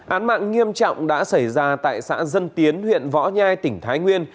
án mạng nghiêm trọng đã xảy ra tại xã dân tiến huyện võ nhai tỉnh thái nguyên